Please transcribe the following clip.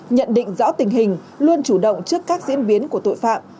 nhận định rõ tình hình luôn chủ động trước các diễn biến của tội phạm